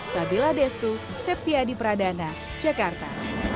sabila destu septiadi pradana jakarta